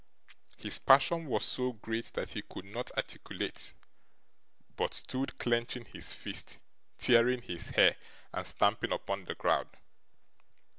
His passion was so great, that he could not articulate, but stood clenching his fist, tearing his hair, and stamping upon the ground.